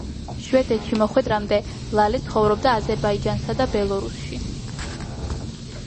შვედეთში მოხვედრამდე ლალე ცხოვრობდა აზერბაიჯანსა და ბელორუსში.